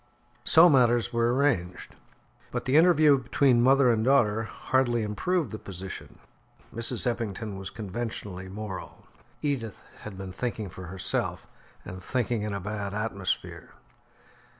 So matters were arranged, but the interview between mother and daughter hardly improved the position. Mrs. Eppington was conventionally moral; Edith had been thinking for herself, and thinking in a bad atmosphere.